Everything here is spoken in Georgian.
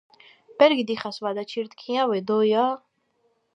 ბერგი დიხას ვადაჩირთჷნია ვეჲოჩირთუნია